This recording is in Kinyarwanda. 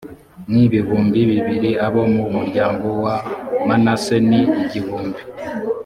ni ibihumbi bibiri abo mu muryango wa manase ni igihumbi